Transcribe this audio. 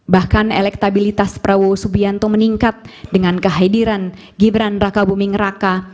bahkan elektabilitas prabowo subianto meningkat dengan kehadiran gibran raka buming raka